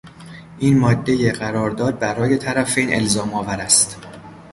این مادهی قرارداد برای طرفین الزامآور است.